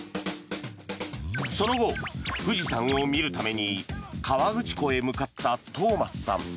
その後、富士山を見るために河口湖へ向かったトーマスさん。